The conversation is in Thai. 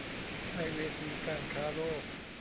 ในเวทีการค้าโลก